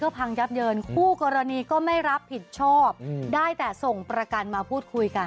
พังยับเยินคู่กรณีก็ไม่รับผิดชอบได้แต่ส่งประกันมาพูดคุยกัน